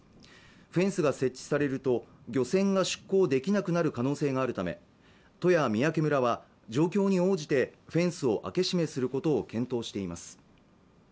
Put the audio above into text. フェンスが設置されると漁船が出港できなくなる可能性があるため都や三宅村は状況に応じてフェンスを開け閉めすることを検討しています